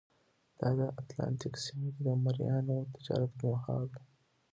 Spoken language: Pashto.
دا د اتلانتیک سیمه کې د مریانو تجارت پرمهال وه.